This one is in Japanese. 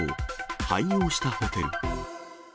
廃業したホテル。